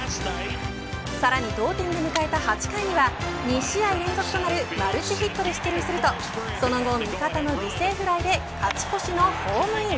さらに同点で迎えた８回には２試合連続となるマルチヒットで出塁するとその後、味方の犠牲フライで勝ち越しのホームイン。